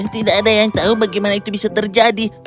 tidak ada yang tahu bagaimana itu bisa terjadi